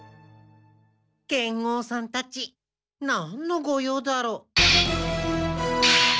剣豪さんたちなんのご用だろう？